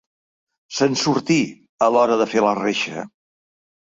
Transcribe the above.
Se'n sortí, a l'hora de fer la reixa.